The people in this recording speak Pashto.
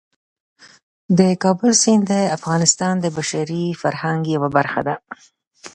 د کابل سیند د افغانستان د بشري فرهنګ یوه برخه ده.